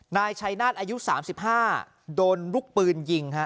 นายชัยนาธิ์อายุสามสิบห้าโดนลุกปืนยิงฮะ